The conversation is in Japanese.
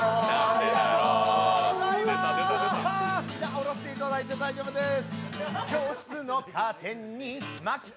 下ろしていただいて大丈夫です。